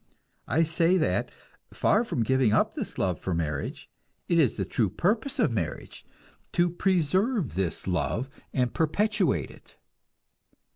I say that, far from giving up this love for marriage, it is the true purpose of marriage to preserve this love and perpetuate it.